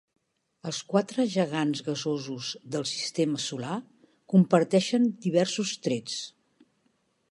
Els quatre gegants gasosos del sistema solar comparteixen diversos trets.